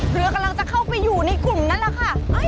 เรือกำลังจะเข้าไปอยู่ในกลุ่มนั้นแหละค่ะ